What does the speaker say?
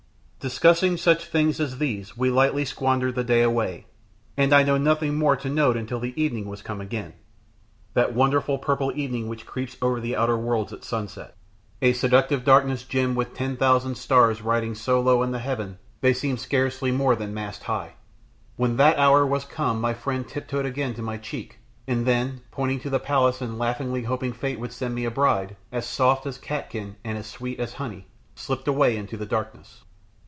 Discussing such things as these we lightly squandered the day away, and I know of nothing more to note until the evening was come again: that wonderful purple evening which creeps over the outer worlds at sunset, a seductive darkness gemmed with ten thousand stars riding so low in the heaven they seem scarcely more than mast high. When that hour was come my friend tiptoed again to my cheek, and then, pointing to the palace and laughingly hoping fate would send me a bride "as soft as catkin and as sweet as honey," slipped away into the darkness.